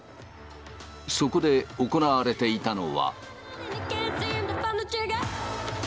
そこで行われていたのは。